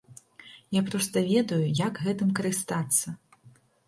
Я проста ведаю, як гэтым карыстацца.